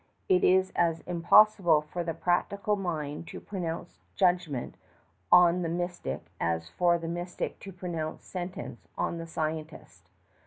It is as impossible for the practical mind to pronounce judgment on the mystic as for the mystic to pronounce sentence on the scientist.